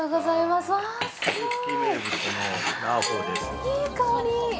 いい香り！